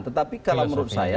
tetapi kalau menurut saya